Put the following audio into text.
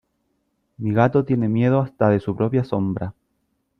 Mi gato tiene miedo hasta de su propia sombra.